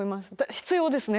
必要ですね